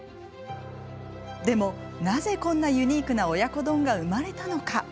でも、なぜこんなユニークな親子丼が生まれたのか。